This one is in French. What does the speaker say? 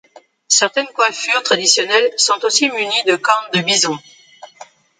Certaines coiffures traditionnelles sont aussi munies de cornes de bison.